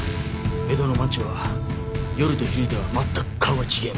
江戸の町は夜と昼では全く顔が違えます。